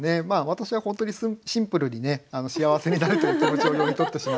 私は本当にシンプルにね「幸せになれ」という気持ちを読み取ってしまったんですけどね。